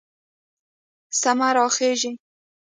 سمه راخېژي